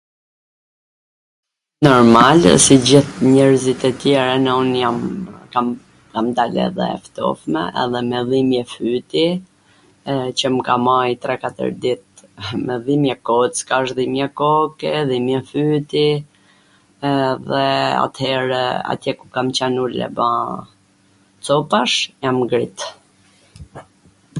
normale, si gjith njerzit e tjer ene un jam kam dal e ftofme dhe me dhimbje fyti, qw m ka majt tre katwr dit, me dhimje kockash, dhimje koke, dhimje fyti, edhe at-her atje ku kam qen un jan ba copash edhe jam ngrit